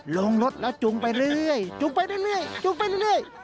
ลงรถแล้วจุงไปเรื่อยจุงไปเรื่อย